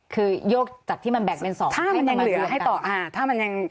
คือโยกจากที่มันแบกเป็น๒ให้ต่อมา